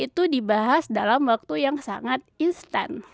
itu dibahas dalam waktu yang sangat instan